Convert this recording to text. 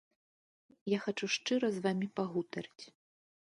Я хачу шчыра з вамі пагутарыць.